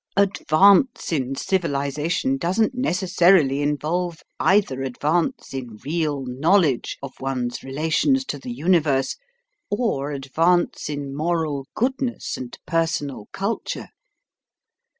Advance in civilisation doesn't necessarily involve either advance in real knowledge of one's relations to the universe, or advance in moral goodness and personal culture.